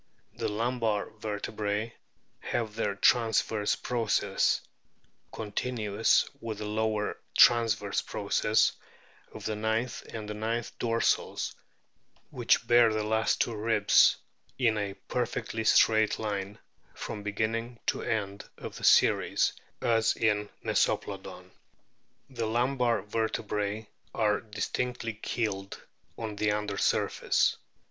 The lumbar vertebrae have their transverse processes (continuous with the lower transverse processes of the ninth and tenth dorsals, which bear the last two ribs) in a perfectly straight line from beginning to end of the series as in Meso plodon. The lumbar vertebras are distinctly keeled on the under surface.